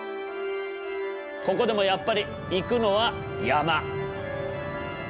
ここでもやっぱり行くのは山。